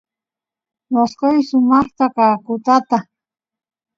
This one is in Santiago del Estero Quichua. mosqoysh sumaqta ka katuta